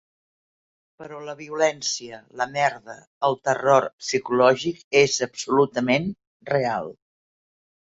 Però la violència, la merda, el terror psicològic és absolutament real.